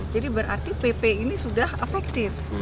jadi berarti pp ini sudah efektif